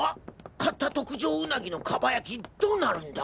買った特上うなぎの蒲焼きどうなるんだ！？